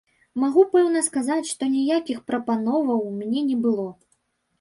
Магу пэўна сказаць, што ніякіх прапановаў мне не было.